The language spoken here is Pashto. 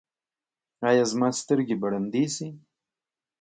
ایا زما سترګې به ړندې شي؟